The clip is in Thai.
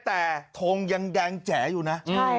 แต่ทงยังแดงแจ๋อยู่นะ